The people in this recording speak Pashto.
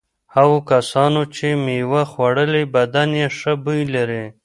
هغو کسانو چې مېوه خوړلي بدن یې ښه بوی لري.